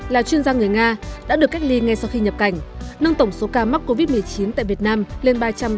là chuyên gia người nga đã được cách ly ngay sau khi nhập cảnh nâng tổng số ca mắc covid một mươi chín tại việt nam lên ba trăm tám mươi ca